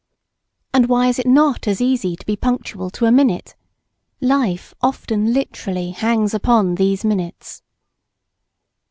And why is it not as easy to be punctual to a minute? Life often literally hangs upon these minutes.